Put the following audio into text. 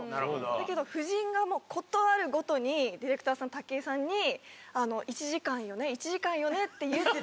だけど夫人が事あるごとにディレクターさんの武井さんに「１時間よね？１時間よね？」って言って。